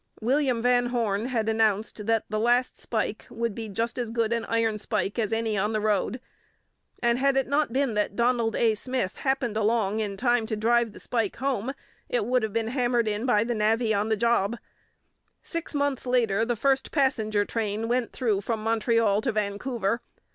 William Van Horne had announced that 'the last spike would be just as good an iron spike as any on the road,' and had it not been that Donald A. Smith happened along in time to drive the spike home, it would have been hammered in by the navvy on the job. Six months later the first passenger train went through from Montreal to Vancouver.